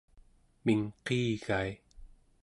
mingqiigai